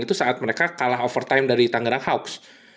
itu saat mereka kalah overtime dari tangerang hawks